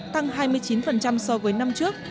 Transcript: tăng hai mươi chín so với năm trước